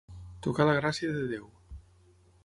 Tocar la gràcia de Déu.